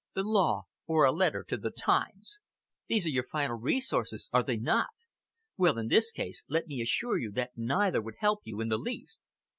"The law, or a letter to the Times. These are your final resources, are they not? Well, in this case, let me assure you that neither would help you in the least."